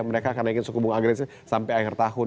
mereka akan naikin suku bunga agresi sampai akhir tahun